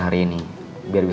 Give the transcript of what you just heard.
udah ke kamar dulu